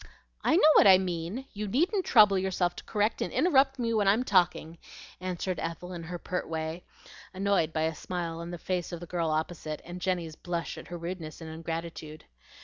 "I know what I mean; you needn't trouble yourself to correct and interrupt me when I'm talking," answered Ethel, in her pert way, annoyed by a smile on the face of the girl opposite, and Jenny's blush at her rudeness and ingratitude.